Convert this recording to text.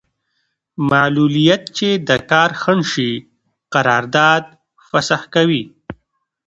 معلولیت چې د کار خنډ شي قرارداد فسخه کوي.